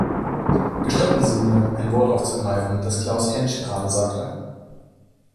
Gestatten Sie mir, ein Wort aufzugreifen, das Klaus Hänsch gerade sagte.